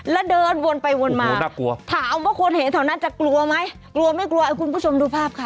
แล้วเดินวนไปวนมาถามว่าคนเห็นจะกลัวไหมกลัวไม่กลัวคุณผู้ชมดูภาพค่ะ